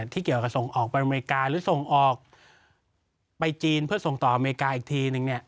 ที่เกี่ยวกับส่งออกไปอเมริกาหรือส่งออกไปจีนเพื่อส่งต่ออเมริกาอีกทีนึง